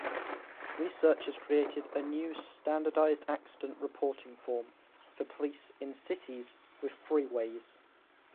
Researchers created a new standardized accident reporting form for police in cities with freeways.